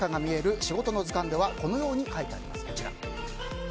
仕事の図鑑」ではこのように書いてあります。